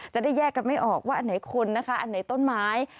จะได้แยกกันไม่ออกว่าอันไหนคนนะคะอันไหนต้นไม้